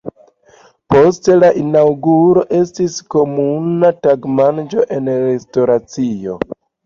Post la inaŭguro estis komuna tagmanĝo en restoracio.